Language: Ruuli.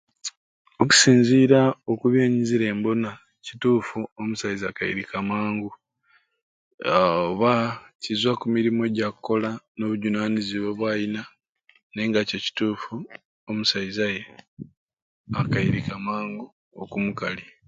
Okusinzira okubyenyizire mbona kituffu omusaiza akairikire mangu aah oba kizwa kumirimu jakola nobujunanizibwa bwalina nayenga kyo kituffu omusaiza ye akairika mangu okumukali.